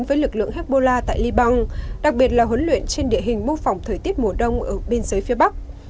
với lực lượng hezbollah tại libang đặc biệt là huấn luyện trên địa hình mô phòng thời tiết mùa đông ở biên giới phía bắc